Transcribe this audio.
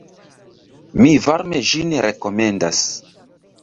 Mi varme ĝin rekomendas.